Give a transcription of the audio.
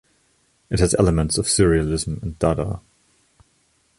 It has elements of Surrealism and Dada.